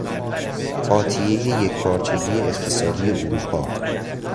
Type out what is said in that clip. آتیهی یکپارچگی اقتصادی اروپا